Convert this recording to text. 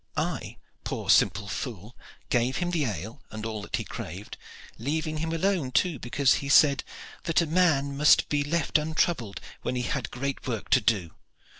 I, poor simple fool, gave him the ale and all that he craved, leaving him alone too, because he said that a man's mind must be left untroubled when he had great work to do.